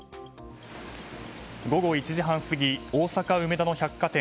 午後１時半過ぎ大阪・梅田の百貨店